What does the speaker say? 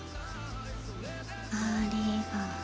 「ありがと！